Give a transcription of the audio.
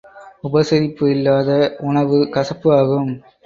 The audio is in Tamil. உபசரிப்பு இல்லாத உணவு கசப்பு ஆகும்.